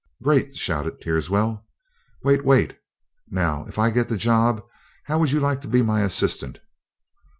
"Great!" shouted Teerswell. "Wait wait. Now, if I get the job, how would you like to be my assistant?"